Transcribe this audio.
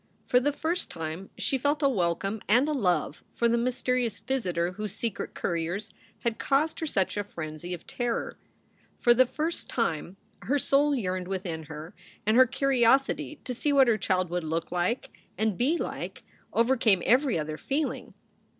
For the first time she felt a welcome and a love for the mysterious visitor whose secret couriers had caused her such a frenzy of terror. For the first time her soul yearned within her, and her curiosity to see what her child would look like and be like overcame every other feeling.